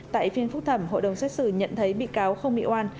tại phiên phúc thẩm hội đồng xét xử nhận thấy bị cáo không bị oan